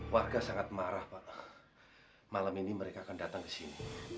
warga sangat marah pak malam ini mereka akan datang ke sini